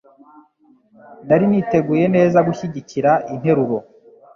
Nari niteguye neza gushyigikira interuro